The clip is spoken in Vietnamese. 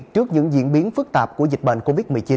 trước những diễn biến phức tạp của dịch bệnh covid một mươi chín